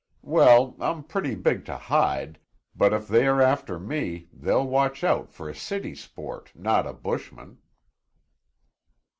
Well, I'm pretty big to hide, but if they are after me, they'll watch out for a city sport, not a bushman."